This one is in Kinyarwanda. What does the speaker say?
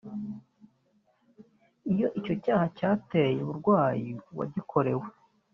Iyo icyo cyaha cyateye uburwayi uwagikorewe